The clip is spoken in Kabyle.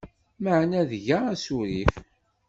Meεna tga asurif.